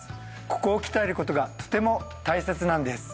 ここを鍛える事がとても大切なんです。